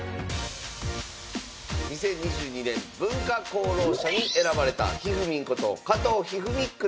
２０２２年文化功労者に選ばれたひふみんこと加藤一二三九段。